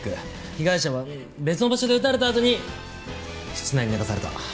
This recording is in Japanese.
被害者は別の場所で撃たれたあとに室内に寝かされた。